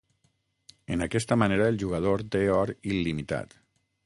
En aquesta manera el jugador té or il·limitat.